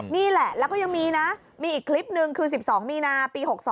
นี่แหละแล้วก็ยังมีนะมีอีกคลิปนึงคือ๑๒มีนาปี๖๒